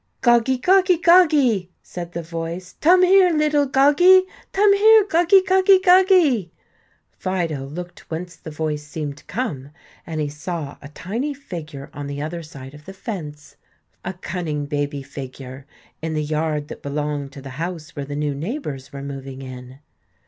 "Goggie, goggie, goggie!" said the voice. "Tum here, 'ittle goggie tum here, goggie, goggie, goggie!" Fido looked whence the voice seemed to come, and he saw a tiny figure on the other side of the fence, a cunning baby figure in the yard that belonged to the house where the new neighbors were moving in.